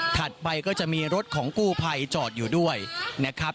ไปก็จะมีรถของกู้ภัยจอดอยู่ด้วยนะครับ